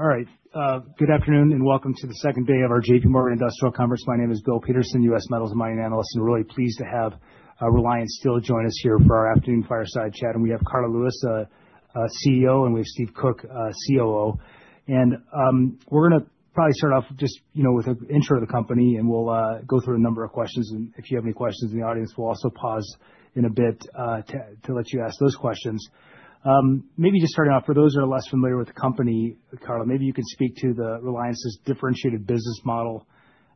All right, good afternoon and welcome to the second day of our JPMorgan Industrial Conference. My name is Bill Peterson, U.S. Metals and Mining Analyst, and we're really pleased to have Reliance Steel join us here for our afternoon fireside chat. We have Karla Lewis, CEO, and we have Steve Koch, COO. We're going to probably start off just with an intro to the company, and we'll go through a number of questions. If you have any questions in the audience, we'll also pause in a bit to let you ask those questions. Maybe just starting off, for those who are less familiar with the company, Karla, maybe you can speak to Reliance's differentiated business model.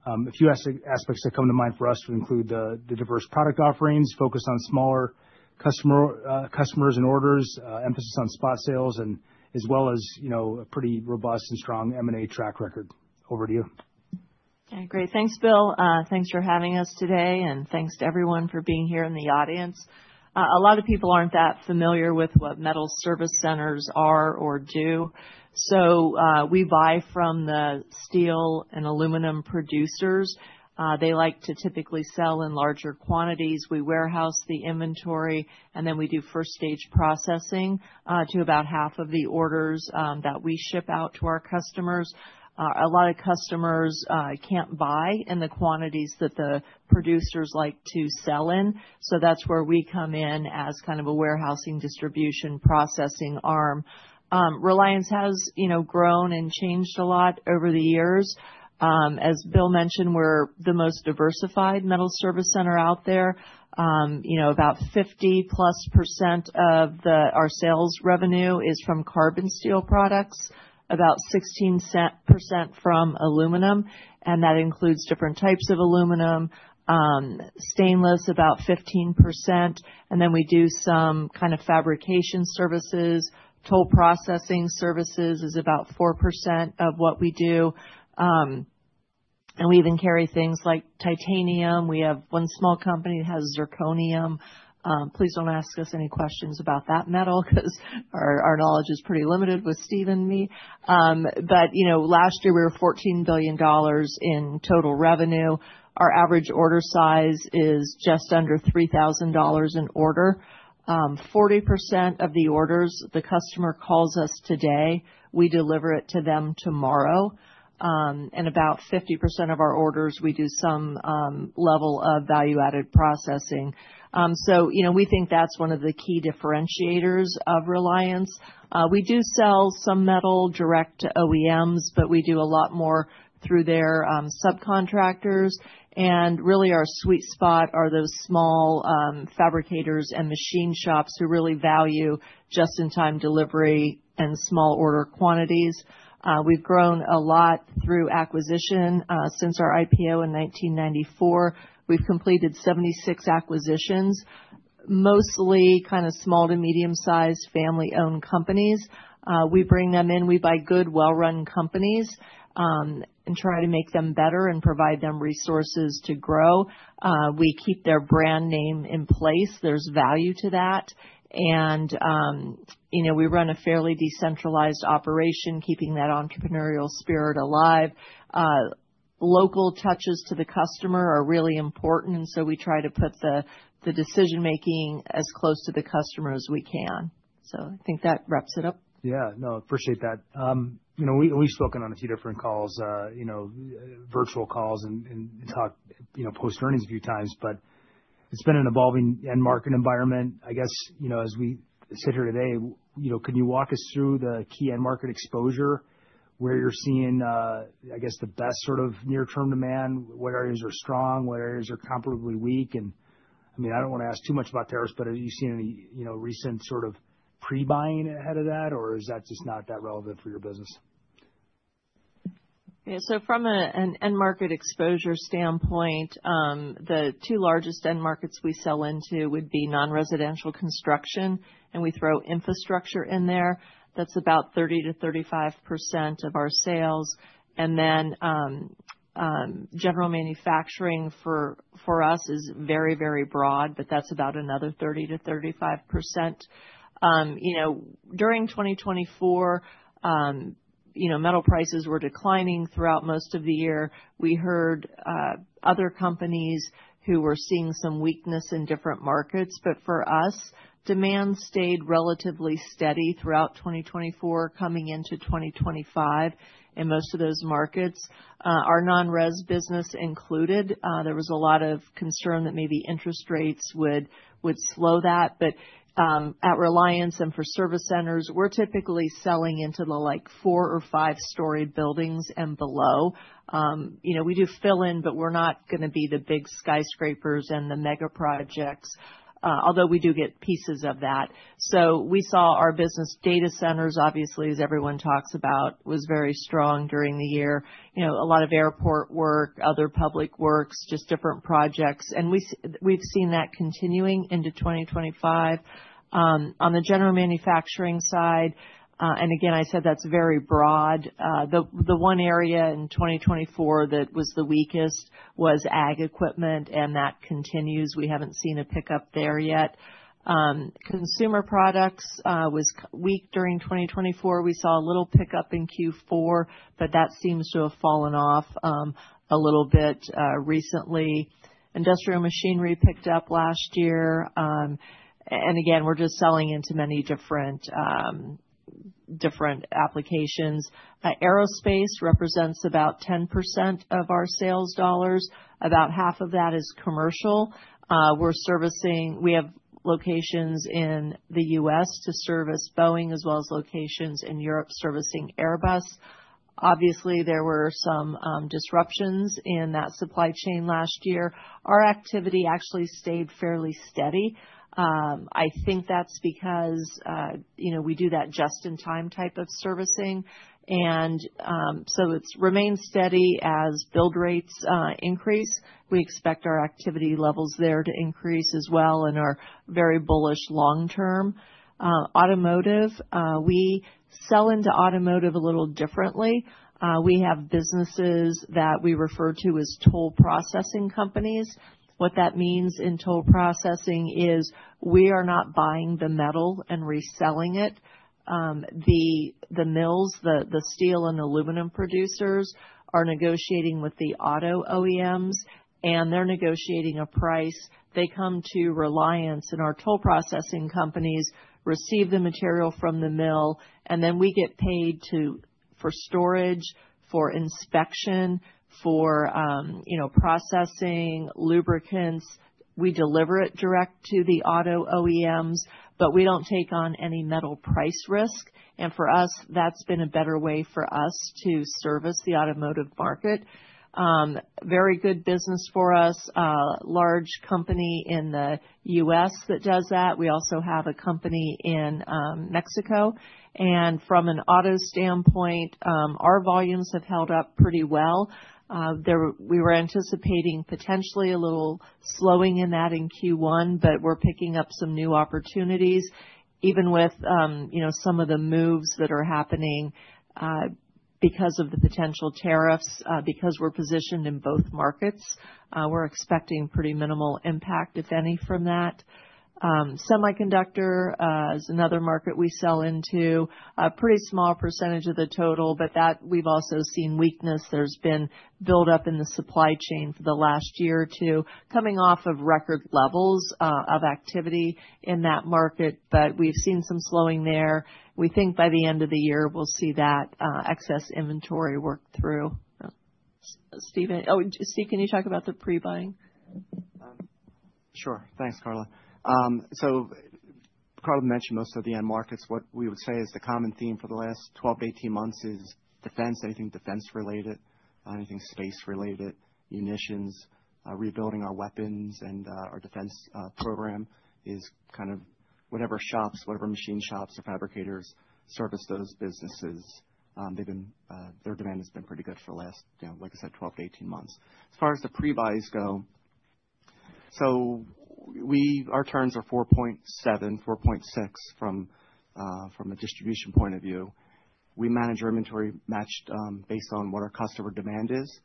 A few aspects that come to mind for us would include the diverse product offerings, focus on smaller customers and orders, emphasis on spot sales, as well as a pretty robust and strong M&A track record. Over to you. Great. Thanks, Bill. Thanks for having us today, and thanks to everyone for being here in the audience. A lot of people aren't that familiar with what metal service centers are or do. We buy from the steel and aluminum producers. They like to typically sell in larger quantities. We warehouse the inventory, and then we do first-stage processing to about half of the orders that we ship out to our customers. A lot of customers can't buy in the quantities that the producers like to sell in, so that's where we come in as kind of a warehousing distribution processing arm. Reliance has grown and changed a lot over the years. As Bill mentioned, we're the most diversified metal service center out there. About 50+% of our sales revenue is from carbon steel products, about 16% from aluminum, and that includes different types of aluminum. Stainless, about 15%. We do some kind of fabrication services. Toll processing services is about 4% of what we do. We even carry things like titanium. We have one small company that has zirconium. Please do not ask us any questions about that metal because our knowledge is pretty limited with Steve and me. Last year, we were $14 billion in total revenue. Our average order size is just under $3,000 an order. 40% of the orders the customer calls us today, we deliver it to them tomorrow. About 50% of our orders, we do some level of value-added processing. We think that is one of the key differentiators of Reliance. We do sell some metal direct to OEMs, but we do a lot more through their subcontractors. Our sweet spot are those small fabricators and machine shops who really value just-in-time delivery and small-order quantities. We have grown a lot through acquisition. Since our IPO in 1994, we have completed 76 acquisitions, mostly kind of small to medium-sized family-owned companies. We bring them in. We buy good, well-run companies and try to make them better and provide them resources to grow. We keep their brand name in place. There is value to that. We run a fairly decentralized operation, keeping that entrepreneurial spirit alive. Local touches to the customer are really important, and we try to put the decision-making as close to the customer as we can. I think that wraps it up. Yeah. No, I appreciate that. We've spoken on a few different calls, virtual calls, and talked post-earnings a few times, but it's been an evolving end market environment. I guess as we sit here today, could you walk us through the key end market exposure where you're seeing, I guess, the best sort of near-term demand? What areas are strong? What areas are comparably weak? I mean, I don't want to ask too much about tariffs, but have you seen any recent sort of pre-buying ahead of that, or is that just not that relevant for your business? Yeah. From an end market exposure standpoint, the two largest end markets we sell into would be non-residential construction, and we throw infrastructure in there. That's about 30%-35% of our sales. General manufacturing for us is very, very broad, but that's about another 30%-35%. During 2024, metal prices were declining throughout most of the year. We heard other companies who were seeing some weakness in different markets, but for us, demand stayed relatively steady throughout 2024, coming into 2025, in most of those markets. Our non-res business included. There was a lot of concern that maybe interest rates would slow that. At Reliance and for service centers, we're typically selling into the four or five-story buildings and below. We do fill in, but we're not going to be the big skyscrapers and the mega projects, although we do get pieces of that. We saw our business data centers, obviously, as everyone talks about, was very strong during the year. A lot of airport work, other public works, just different projects. We have seen that continuing into 2025. On the general manufacturing side, and again, I said that's very broad, the one area in 2024 that was the weakest was ag equipment, and that continues. We haven't seen a pickup there yet. Consumer products was weak during 2024. We saw a little pickup in Q4, but that seems to have fallen off a little bit recently. Industrial machinery picked up last year. Again, we're just selling into many different applications. Aerospace represents about 10% of our sales dollars. About half of that is commercial. We have locations in the U.S. to service Boeing, as well as locations in Europe servicing Airbus. Obviously, there were some disruptions in that supply chain last year. Our activity actually stayed fairly steady. I think that's because we do that just-in-time type of servicing. It has remained steady as build rates increase. We expect our activity levels there to increase as well and are very bullish long-term. Automotive, we sell into automotive a little differently. We have businesses that we refer to as toll processing companies. What that means in toll processing is we are not buying the metal and reselling it. The mills, the steel and aluminum producers, are negotiating with the auto OEMs, and they're negotiating a price. They come to Reliance, and our toll processing companies receive the material from the mill, and then we get paid for storage, for inspection, for processing, lubricants. We deliver it direct to the auto OEMs, but we do not take on any metal price risk. For us, that has been a better way for us to service the automotive market. Very good business for us. Large company in the U.S. that does that. We also have a company in Mexico. From an auto standpoint, our volumes have held up pretty well. We were anticipating potentially a little slowing in that in Q1, but we are picking up some new opportunities, even with some of the moves that are happening because of the potential tariffs, because we are positioned in both markets. We are expecting pretty minimal impact, if any, from that. Semiconductor is another market we sell into. A pretty small percentage of the total, but we have also seen weakness. There's been build-up in the supply chain for the last year or two, coming off of record levels of activity in that market, but we've seen some slowing there. We think by the end of the year, we'll see that excess inventory work through. Oh, Steve, can you talk about the pre-buying? Sure. Thanks, Karla. Karla mentioned most of the end markets. What we would say is the common theme for the last 12 to 18 months is defense, anything defense-related, anything space-related, munitions, rebuilding our weapons, and our defense program is kind of whatever shops, whatever machine shops or fabricators service those businesses, their demand has been pretty good for the last, like I said, 12 to 18 months. As far as the pre-buys go, our turns are 4.7-4.6 from a distribution point of view. We manage our inventory based on what our customer demand is.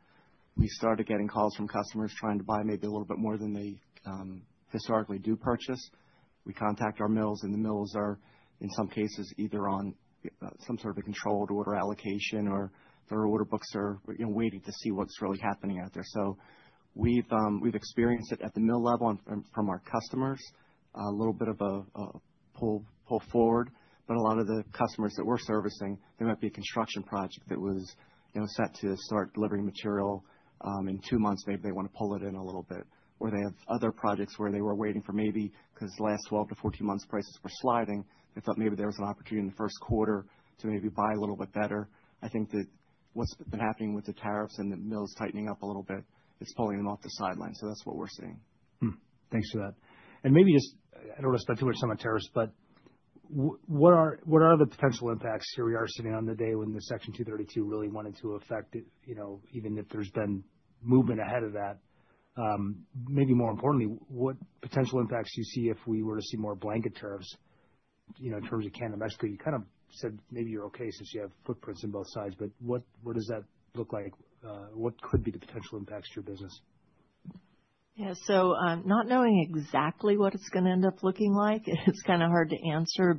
We started getting calls from customers trying to buy maybe a little bit more than they historically do purchase. We contact our mills, and the mills are, in some cases, either on some sort of a controlled order allocation or their order books are waiting to see what's really happening out there. We've experienced it at the mill level from our customers, a little bit of a pull forward, but a lot of the customers that we're servicing, there might be a construction project that was set to start delivering material in two months. Maybe they want to pull it in a little bit. Or they have other projects where they were waiting for maybe because the last 12 to 14 months prices were sliding. They thought maybe there was an opportunity in the first quarter to maybe buy a little bit better. I think that what's been happening with the tariffs and the mills tightening up a little bit is pulling them off the sidelines. That's what we're seeing. Thanks for that. I do not want to speculate so much on tariffs, but what are the potential impacts here? We are sitting on the day when the Section 232 really wanted to affect it, even if there has been movement ahead of that. Maybe more importantly, what potential impacts do you see if we were to see more blanket tariffs in terms of Canada and Mexico? You kind of said maybe you are okay since you have footprints on both sides, but what does that look like? What could be the potential impacts to your business? Yeah. Not knowing exactly what it's going to end up looking like, it's kind of hard to answer.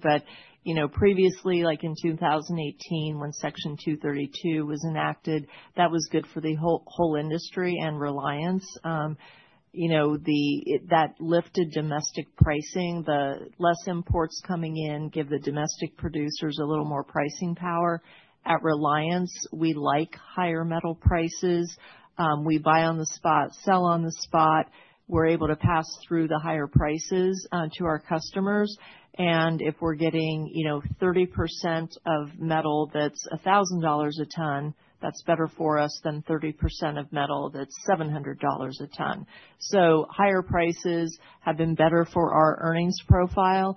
Previously, like in 2018, when Section 232 was enacted, that was good for the whole industry and Reliance. That lifted domestic pricing. The less imports coming in give the domestic producers a little more pricing power. At Reliance, we like higher metal prices. We buy on the spot, sell on the spot. We're able to pass through the higher prices to our customers. If we're getting 30% of metal that's $1,000 a ton, that's better for us than 30% of metal that's $700 a ton. Higher prices have been better for our earnings profile.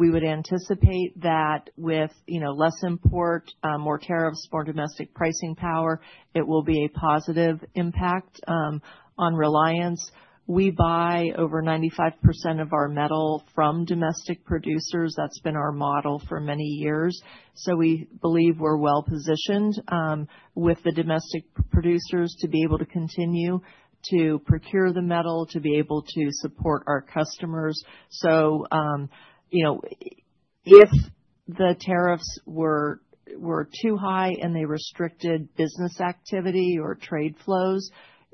We would anticipate that with less import, more tariffs, more domestic pricing power, it will be a positive impact on Reliance. We buy over 95% of our metal from domestic producers. That's been our model for many years. We believe we're well-positioned with the domestic producers to be able to continue to procure the metal, to be able to support our customers. If the tariffs were too high and they restricted business activity or trade flows,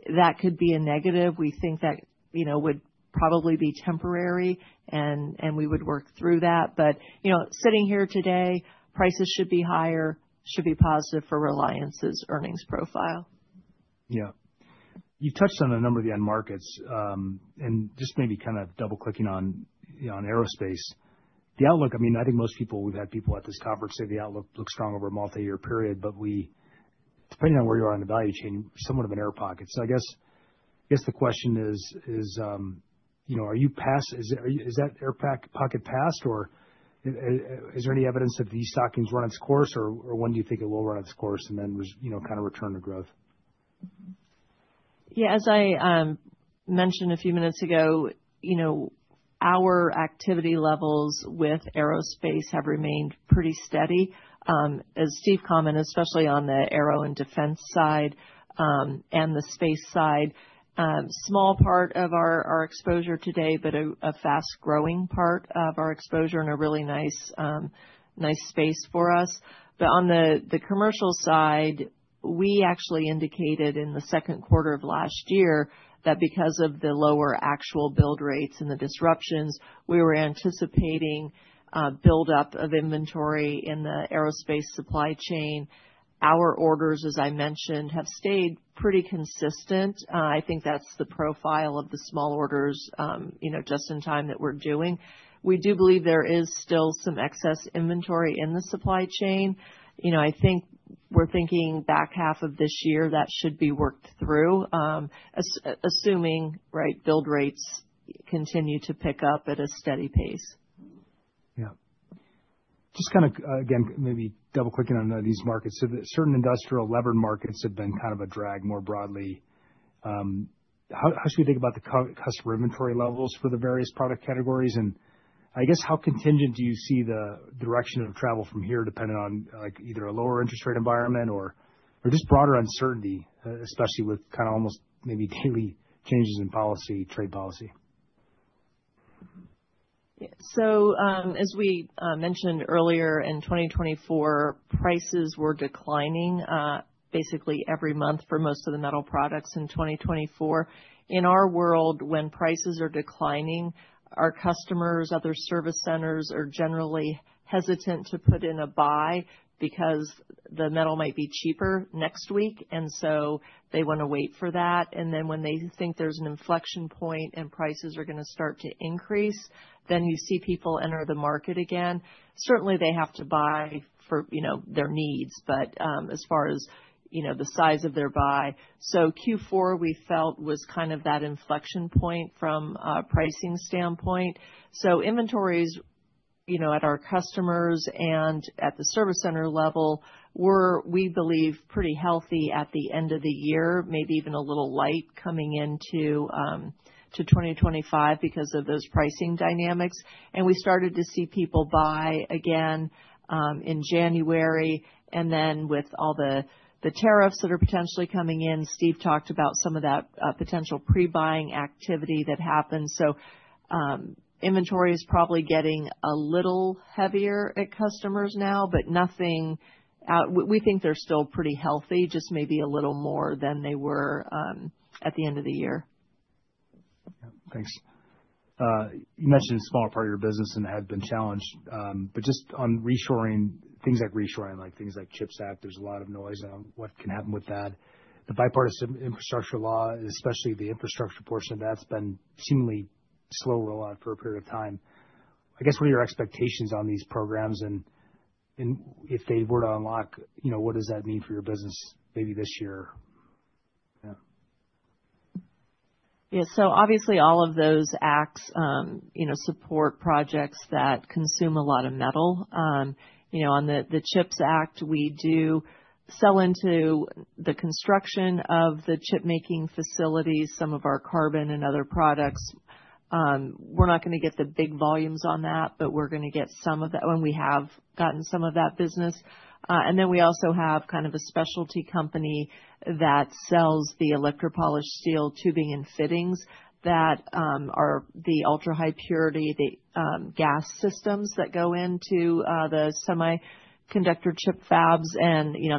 that could be a negative. We think that would probably be temporary, and we would work through that. Sitting here today, prices should be higher, should be positive for Reliance's earnings profile. Yeah. You touched on a number of the end markets, and just maybe kind of double-clicking on aerospace. The outlook, I mean, I think most people, we've had people at this conference say the outlook looks strong over a multi-year period, but depending on where you are on the value chain, somewhat of an air pocket. I guess the question is, are you past? Is that air pocket past, or is there any evidence that these stockings run its course, or when do you think it will run its course and then kind of return to growth? Yeah. As I mentioned a few minutes ago, our activity levels with aerospace have remained pretty steady. As Steve commented, especially on the aero and defense side and the space side, small part of our exposure today, but a fast-growing part of our exposure and a really nice space for us. On the commercial side, we actually indicated in the second quarter of last year that because of the lower actual build rates and the disruptions, we were anticipating build-up of inventory in the aerospace supply chain. Our orders, as I mentioned, have stayed pretty consistent. I think that's the profile of the small orders just-in-time that we're doing. We do believe there is still some excess inventory in the supply chain. I think we're thinking back half of this year that should be worked through, assuming, right, build rates continue to pick up at a steady pace. Yeah. Just kind of, again, maybe double-clicking on these markets. Certain industrial-levered markets have been kind of a drag more broadly. How should we think about the customer inventory levels for the various product categories? I guess how contingent do you see the direction of travel from here depending on either a lower interest rate environment or just broader uncertainty, especially with kind of almost maybe daily changes in policy, trade policy? Yeah. As we mentioned earlier, in 2024, prices were declining basically every month for most of the metal products in 2024. In our world, when prices are declining, our customers, other service centers are generally hesitant to put in a buy because the metal might be cheaper next week. They want to wait for that. When they think there is an inflection point and prices are going to start to increase, you see people enter the market again. Certainly, they have to buy for their needs, but as far as the size of their buy. Q4, we felt was kind of that inflection point from a pricing standpoint. Inventories at our customers and at the service center level were, we believe, pretty healthy at the end of the year, maybe even a little light coming into 2025 because of those pricing dynamics. We started to see people buy again in January. With all the tariffs that are potentially coming in, Steve talked about some of that potential pre-buying activity that happened. Inventory is probably getting a little heavier at customers now, but we think they're still pretty healthy, just maybe a little more than they were at the end of the year. Yeah. Thanks. You mentioned a smaller part of your business and have been challenged, but just on things like reshoring, like things like CHIPS Act, there's a lot of noise on what can happen with that. The Bipartisan Infrastructure Law, especially the infrastructure portion, that's been seemingly slow roll-out for a period of time. I guess what are your expectations on these programs? If they were to unlock, what does that mean for your business maybe this year? Yeah. Yeah. Obviously, all of those acts support projects that consume a lot of metal. On the CHIPS Act, we do sell into the construction of the chip-making facilities, some of our carbon and other products. We're not going to get the big volumes on that, but we're going to get some of that, and we have gotten some of that business. We also have kind of a specialty company that sells the electropolished steel tubing and fittings that are the ultra-high purity gas systems that go into the semiconductor chip fabs.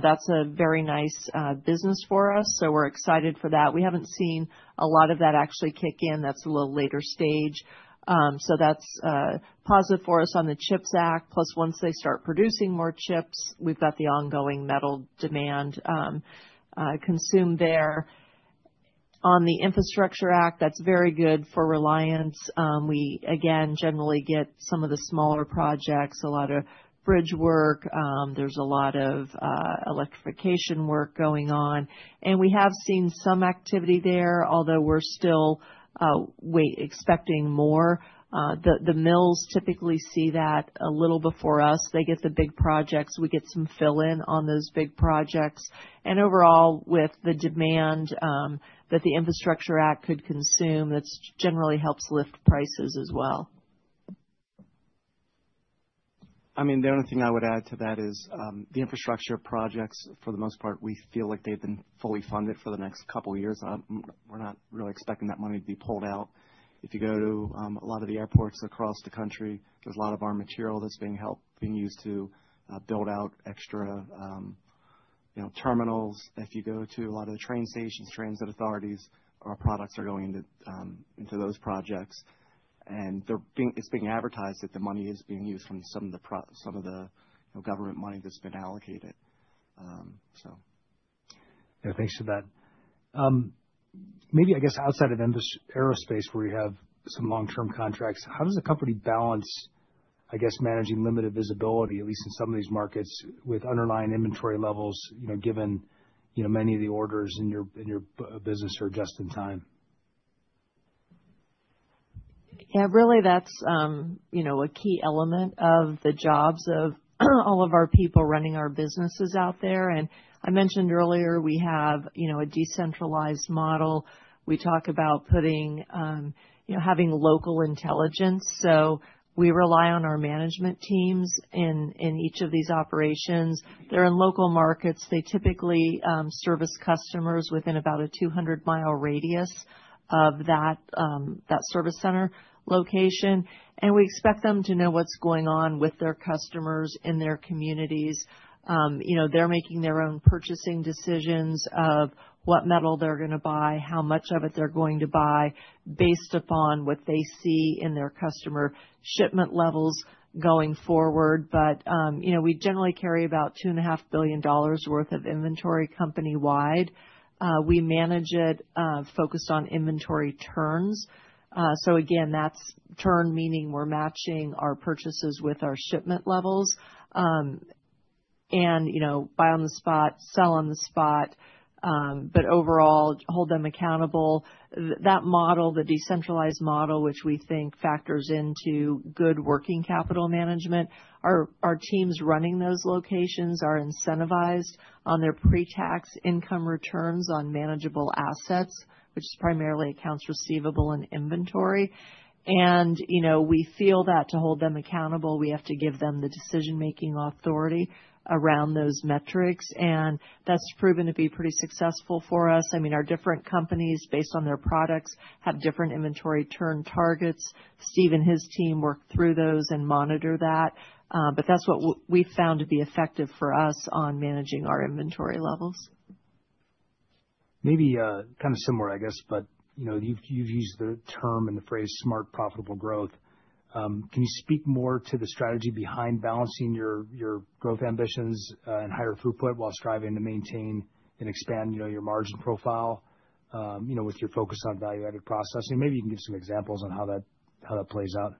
That's a very nice business for us. We're excited for that. We haven't seen a lot of that actually kick in. That's a little later stage. That's positive for us on the CHIPS Act. Plus, once they start producing more chips, we've got the ongoing metal demand consumed there. On the Infrastructure Act, that's very good for Reliance. We, again, generally get some of the smaller projects, a lot of bridge work. There's a lot of electrification work going on. We have seen some activity there, although we're still expecting more. The mills typically see that a little before us. They get the big projects. We get some fill-in on those big projects. Overall, with the demand that the Infrastructure Act could consume, that generally helps lift prices as well. I mean, the only thing I would add to that is the infrastructure projects, for the most part, we feel like they've been fully funded for the next couple of years. We're not really expecting that money to be pulled out. If you go to a lot of the airports across the country, there's a lot of our material that's being used to build out extra terminals. If you go to a lot of the train stations, transit authorities, our products are going into those projects. It is being advertised that the money is being used from some of the government money that's been allocated, so. Yeah. Thanks for that. Maybe, I guess, outside of aerospace, where you have some long-term contracts, how does a company balance, I guess, managing limited visibility, at least in some of these markets, with underlying inventory levels, given many of the orders in your business are just in time? Yeah. Really, that's a key element of the jobs of all of our people running our businesses out there. I mentioned earlier, we have a decentralized model. We talk about having local intelligence. We rely on our management teams in each of these operations. They're in local markets. They typically service customers within about a 200 mi radius of that service center location. We expect them to know what's going on with their customers in their communities. They're making their own purchasing decisions of what metal they're going to buy, how much of it they're going to buy based upon what they see in their customer shipment levels going forward. We generally carry about $2.5 billion worth of inventory company-wide. We manage it focused on inventory turns. Again, that is turn meaning we are matching our purchases with our shipment levels and buy on the spot, sell on the spot, but overall, hold them accountable. That model, the decentralized model, which we think factors into good working capital management, our teams running those locations are incentivized on their pre-tax income returns on manageable assets, which is primarily accounts receivable and inventory. We feel that to hold them accountable, we have to give them the decision-making authority around those metrics. That has proven to be pretty successful for us. I mean, our different companies, based on their products, have different inventory turn targets. Steve and his team work through those and monitor that. That is what we found to be effective for us on managing our inventory levels. Maybe kind of similar, I guess, but you've used the term and the phrase smart profitable growth. Can you speak more to the strategy behind balancing your growth ambitions and higher throughput while striving to maintain and expand your margin profile with your focus on value-added processing? Maybe you can give some examples on how that plays out.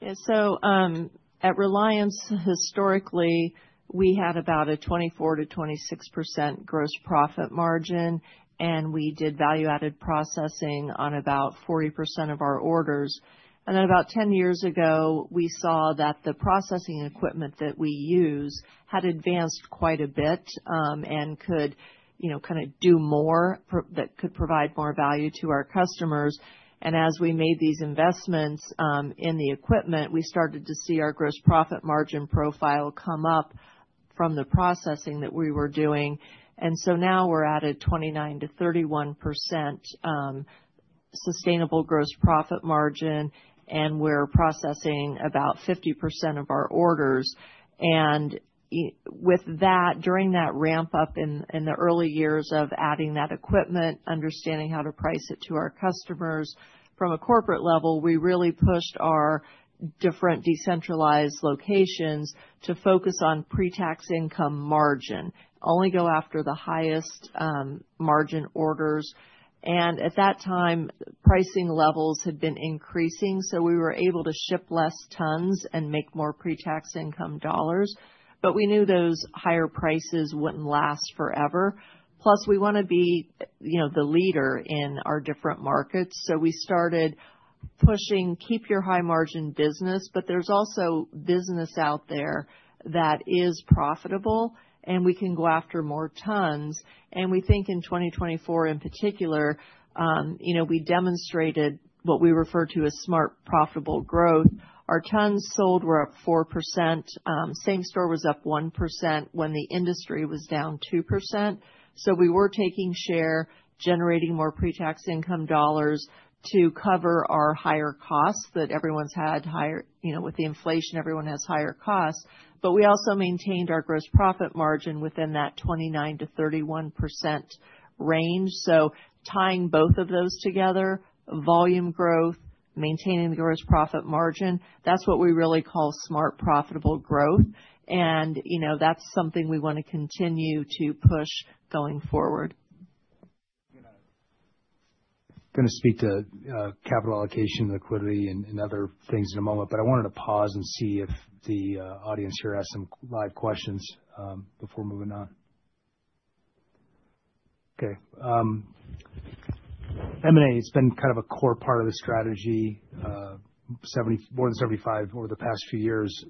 Yeah. At Reliance, historically, we had about a 24%-26% gross profit margin, and we did value-added processing on about 40% of our orders. About 10 years ago, we saw that the processing equipment that we use had advanced quite a bit and could kind of do more that could provide more value to our customers. As we made these investments in the equipment, we started to see our gross profit margin profile come up from the processing that we were doing. Now we're at a 29%-31% sustainable gross profit margin, and we're processing about 50% of our orders. During that ramp-up in the early years of adding that equipment, understanding how to price it to our customers from a corporate level, we really pushed our different decentralized locations to focus on pre-tax income margin, only go after the highest margin orders. At that time, pricing levels had been increasing, so we were able to ship fewer tons and make more pre-tax income dollars. We knew those higher prices would not last forever. Plus, we want to be the leader in our different markets. We started pushing, "Keep your high margin business," but there is also business out there that is profitable, and we can go after more tons. We think in 2024, in particular, we demonstrated what we refer to as smart profitable growth. Our tons sold were up 4%. Same store was up 1% when the industry was down 2%. We were taking share, generating more pre-tax income dollars to cover our higher costs that everyone's had. With the inflation, everyone has higher costs. We also maintained our gross profit margin within that 29%-31% range. Tying both of those together, volume growth, maintaining the gross profit margin, that's what we really call smart profitable growth. That's something we want to continue to push going forward. I'm going to speak to capital allocation, liquidity, and other things in a moment, but I wanted to pause and see if the audience here has some live questions before moving on. Okay. M&A, it's been kind of a core part of the strategy, more than 75 over the past few years.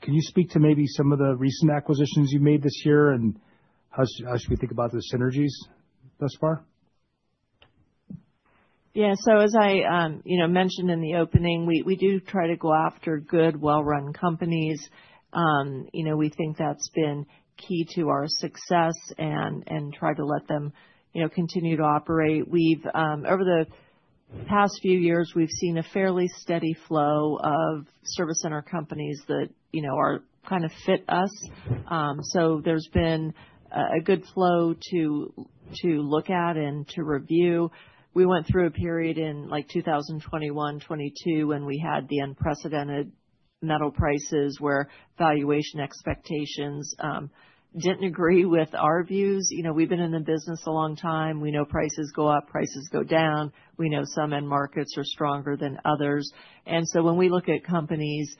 Can you speak to maybe some of the recent acquisitions you've made this year and how should we think about those synergies thus far? Yeah. As I mentioned in the opening, we do try to go after good, well-run companies. We think that's been key to our success and try to let them continue to operate. Over the past few years, we've seen a fairly steady flow of service center companies that kind of fit us. There's been a good flow to look at and to review. We went through a period in 2021, 2022, when we had the unprecedented metal prices where valuation expectations didn't agree with our views. We've been in the business a long time. We know prices go up, prices go down. We know some end markets are stronger than others. When we look at companies,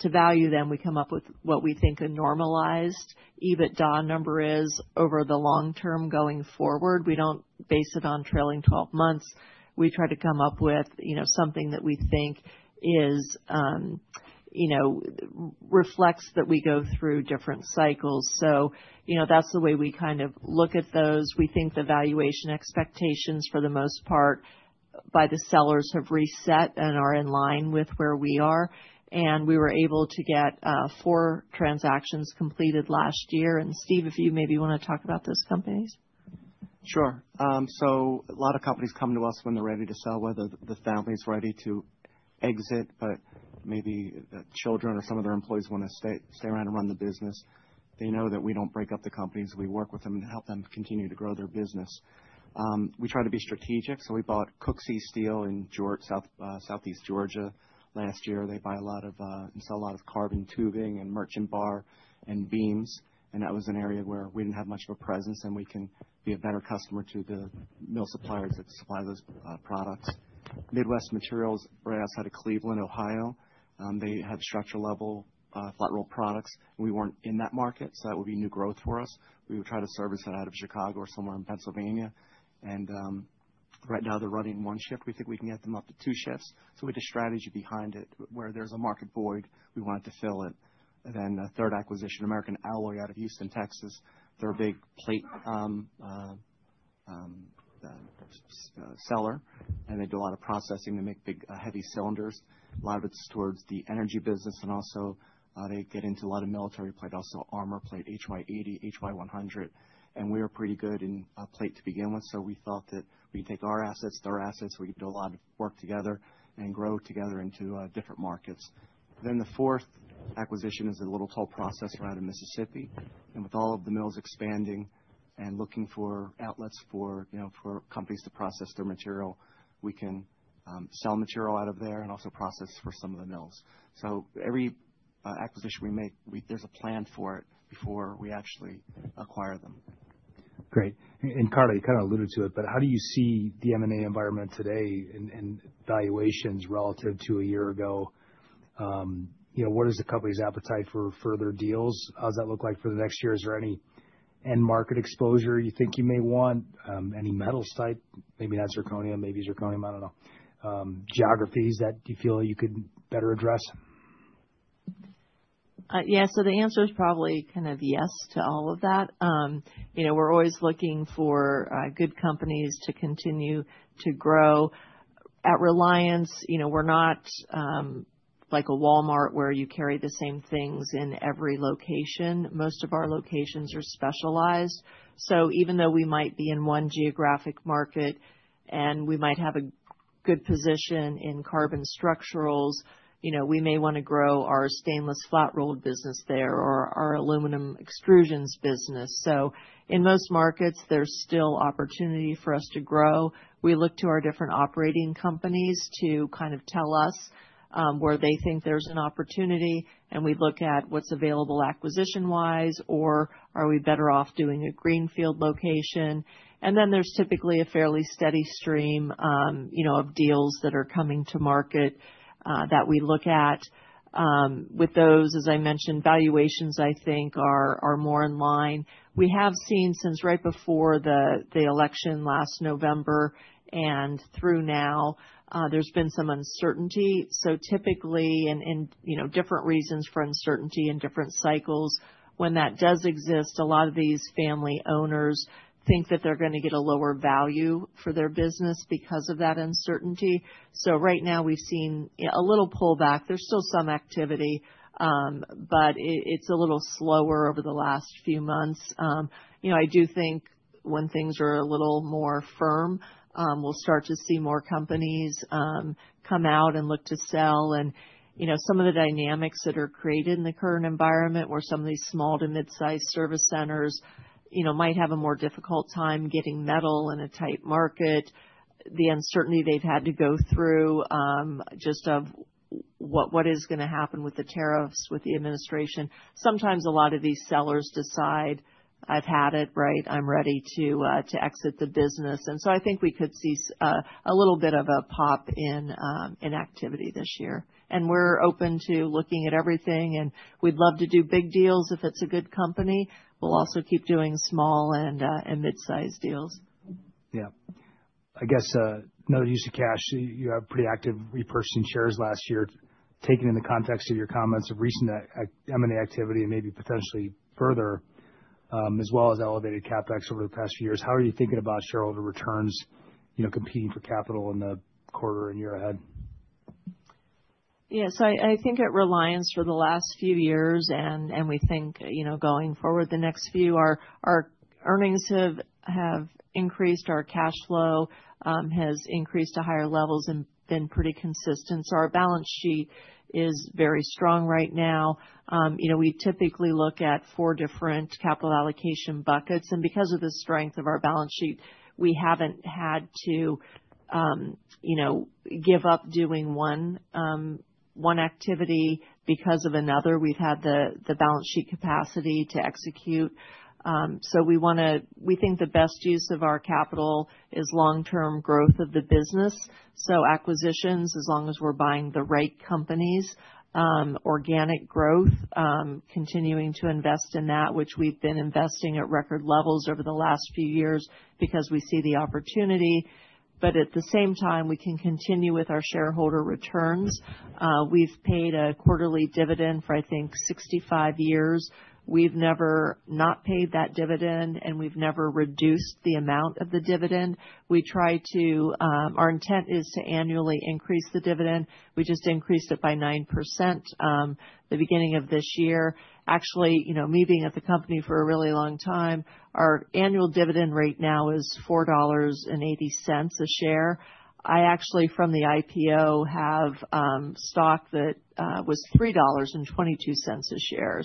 to value them, we come up with what we think a normalized EBITDA number is over the long term going forward. We don't base it on trailing 12 months. We try to come up with something that we think reflects that we go through different cycles. That is the way we kind of look at those. We think the valuation expectations for the most part by the sellers have reset and are in line with where we are. We were able to get four transactions completed last year. Steve, if you maybe want to talk about those companies. Sure. A lot of companies come to us when they're ready to sell, whether the family's ready to exit, but maybe the children or some of their employees want to stay around and run the business. They know that we don't break up the companies. We work with them and help them continue to grow their business. We try to be strategic. We bought Cooksey Steel in Southeast Georgia last year. They buy a lot of and sell a lot of carbon tubing and merchant bar and beams. That was an area where we didn't have much of a presence, and we can be a better customer to the mill suppliers that supply those products. Midwest Materials right outside of Cleveland, Ohio. They have structural flat roll products. We weren't in that market, so that would be new growth for us. We would try to service that out of Chicago or somewhere in Pennsylvania. Right now, they're running one shift. We think we can get them up to two shifts. We had a strategy behind it where there's a market void. We wanted to fill it. A third acquisition, American Alloy out of Houston, Texas. They're a big plate seller, and they do a lot of processing. They make big heavy cylinders. A lot of it's towards the energy business, and also they get into a lot of military plate, also armor plate, HY-80, HY-100. We are pretty good in plate to begin with, so we thought that we can take our assets, their assets. We can do a lot of work together and grow together into different markets. The fourth acquisition is a little toll processor out of Mississippi. With all of the mills expanding and looking for outlets for companies to process their material, we can sell material out of there and also process for some of the mills. Every acquisition we make, there is a plan for it before we actually acquire them. Great. And Karla, you kind of alluded to it, but how do you see the M&A environment today and valuations relative to a year ago? What is the company's appetite for further deals? How does that look like for the next year? Is there any end market exposure you think you may want? Any metals type, maybe not zirconium, maybe zirconium, I do not know, geographies that you feel you could better address? Yeah. The answer is probably kind of yes to all of that. We're always looking for good companies to continue to grow. At Reliance, we're not like a Walmart where you carry the same things in every location. Most of our locations are specialized. Even though we might be in one geographic market and we might have a good position in carbon structurals, we may want to grow our stainless flat roll business there or our aluminum extrusions business. In most markets, there's still opportunity for us to grow. We look to our different operating companies to kind of tell us where they think there's an opportunity, and we look at what's available acquisition-wise, or are we better off doing a greenfield location? There is typically a fairly steady stream of deals that are coming to market that we look at. With those, as I mentioned, valuations, I think, are more in line. We have seen since right before the election last November and through now, there's been some uncertainty. Typically, and different reasons for uncertainty in different cycles, when that does exist, a lot of these family owners think that they're going to get a lower value for their business because of that uncertainty. Right now, we've seen a little pullback. There's still some activity, but it's a little slower over the last few months. I do think when things are a little more firm, we'll start to see more companies come out and look to sell. Some of the dynamics that are created in the current environment where some of these small to mid-sized service centers might have a more difficult time getting metal in a tight market, the uncertainty they've had to go through just of what is going to happen with the tariffs, with the administration. Sometimes a lot of these sellers decide, "I've had it, right? I'm ready to exit the business." I think we could see a little bit of a pop in activity this year. We're open to looking at everything, and we'd love to do big deals if it's a good company. We'll also keep doing small and mid-sized deals. Yeah. I guess no use of cash. You have pretty active repurchasing shares last year. Taken in the context of your comments of recent M&A activity and maybe potentially further, as well as elevated CapEx over the past few years, how are you thinking about shareholder returns competing for capital in the quarter and year ahead? Yeah. I think at Reliance for the last few years, and we think going forward the next few, our earnings have increased. Our cash flow has increased to higher levels and been pretty consistent. Our balance sheet is very strong right now. We typically look at four different capital allocation buckets. Because of the strength of our balance sheet, we haven't had to give up doing one activity because of another. We've had the balance sheet capacity to execute. We think the best use of our capital is long-term growth of the business. Acquisitions, as long as we're buying the right companies, organic growth, continuing to invest in that, which we've been investing at record levels over the last few years because we see the opportunity. At the same time, we can continue with our shareholder returns. We've paid a quarterly dividend for, I think, 65 years. We've never not paid that dividend, and we've never reduced the amount of the dividend. Our intent is to annually increase the dividend. We just increased it by 9% the beginning of this year. Actually, me being at the company for a really long time, our annual dividend rate now is $4.80 a share. I actually, from the IPO, have stock that was $3.22 a share.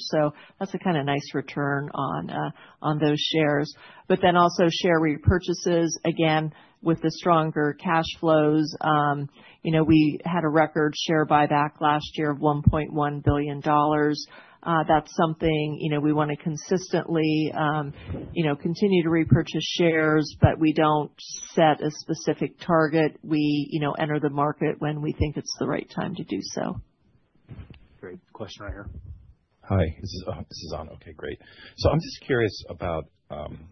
That's a kind of nice return on those shares. Also, share repurchases, again, with the stronger cash flows. We had a record share buyback last year of $1.1 billion. That's something we want to consistently continue to repurchase shares, but we don't set a specific target. We enter the market when we think it's the right time to do so. Great. Question right here. Hi. This is Ann. Okay. Great. So I'm just curious about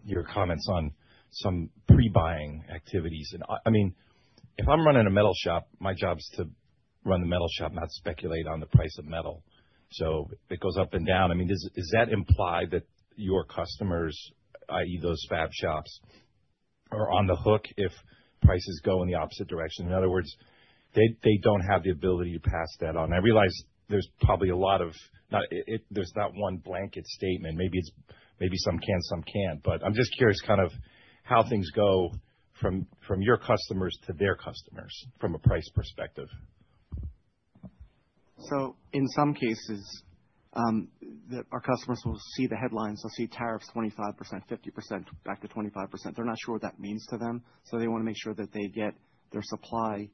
your comments on some pre-buying activities. I mean, if I'm running a metal shop, my job is to run the metal shop, not speculate on the price of metal. I mean, it goes up and down. Does that imply that your customers, i.e., those fab shops, are on the hook if prices go in the opposite direction? In other words, they don't have the ability to pass that on. I realize there's probably a lot of there's not one blanket statement. Maybe some can, some can't. I'm just curious kind of how things go from your customers to their customers from a price perspective. In some cases, our customers will see the headlines. They'll see tariffs 25%, 50%, back to 25%. They're not sure what that means to them. They want to make sure that they get their supply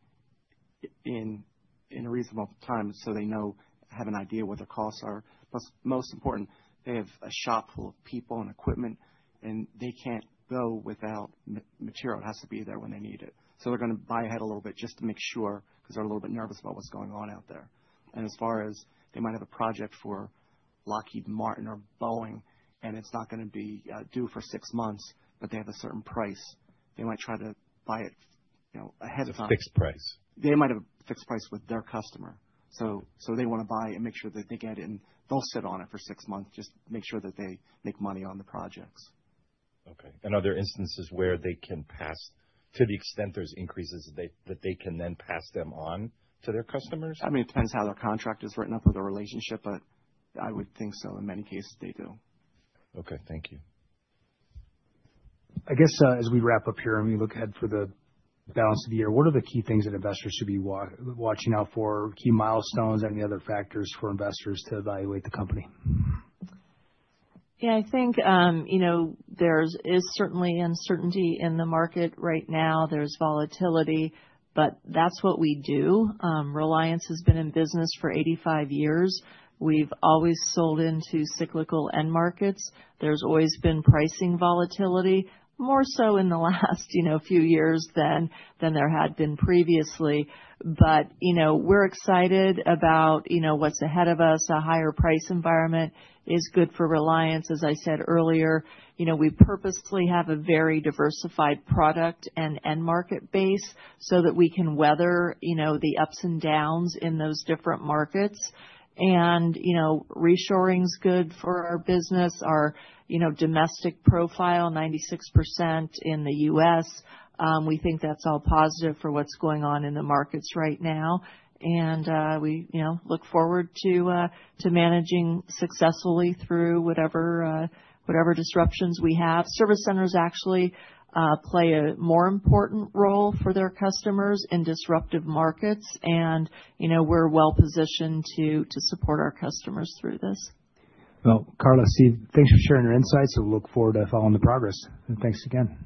in a reasonable time so they have an idea what their costs are. Most important, they have a shop full of people and equipment, and they can't go without material. It has to be there when they need it. They're going to buy ahead a little bit just to make sure because they're a little bit nervous about what's going on out there. As far as they might have a project for Lockheed Martin or Boeing, and it's not going to be due for six months, but they have a certain price. They might try to buy it ahead of time. It's a fixed price. They might have a fixed price with their customer. They want to buy and make sure that they get it. They'll sit on it for six months just to make sure that they make money on the projects. Okay. Are there instances where they can pass, to the extent there's increases, that they can then pass them on to their customers? I mean, it depends how their contract is written up or their relationship, but I would think so in many cases they do. Okay. Thank you. I guess as we wrap up here and we look ahead for the balance of the year, what are the key things that investors should be watching out for, key milestones, any other factors for investors to evaluate the company? Yeah. I think there is certainly uncertainty in the market right now. There's volatility, but that's what we do. Reliance has been in business for 85 years. We've always sold into cyclical end markets. There's always been pricing volatility, more so in the last few years than there had been previously. We're excited about what's ahead of us. A higher price environment is good for Reliance. As I said earlier, we purposely have a very diversified product and end market base so that we can weather the ups and downs in those different markets. Reshoring is good for our business, our domestic profile, 96% in the U.S. We think that's all positive for what's going on in the markets right now. We look forward to managing successfully through whatever disruptions we have. Service centers actually play a more important role for their customers in disruptive markets. We're well-positioned to support our customers through this. Karla, Steve, thanks for sharing your insights. We look forward to following the progress. Thanks again.